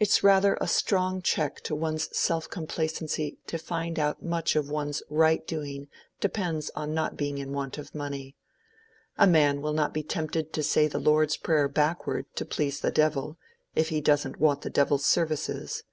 It's rather a strong check to one's self complacency to find how much of one's right doing depends on not being in want of money. A man will not be tempted to say the Lord's Prayer backward to please the devil, if he doesn't want the devil's services.